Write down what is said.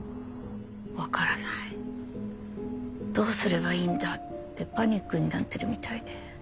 「わからないどうすればいいんだ」ってパニックになってるみたいで。